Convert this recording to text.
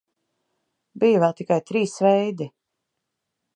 Bija vēl tikai trīs veidi.